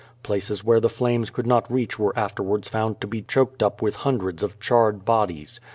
Places where the flames could not reach were afterguards found to be choked up with hun dreds of charred bodies.